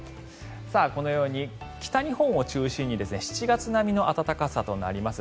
このように北日本を中心に７月並みの暖かさとなります。